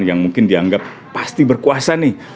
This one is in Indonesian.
yang mungkin dianggap pasti berkuasa nih